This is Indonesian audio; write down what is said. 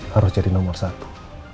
harus jadi nomor satu